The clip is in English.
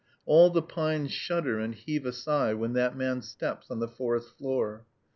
All the pines shudder and heave a sigh when that man steps on the forest floor.